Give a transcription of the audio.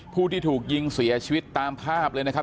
ผู้ที่ถูกยิงเสียชีวิตตามภาพเลยนะครับ